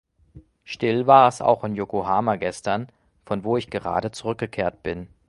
Still war es auch in Yokohama gestern, von wo ich gerade zurückgekehrt bin.